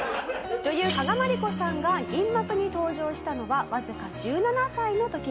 「女優加賀まりこさんが銀幕に登場したのはわずか１７歳の時でした」